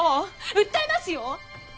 訴えますよ！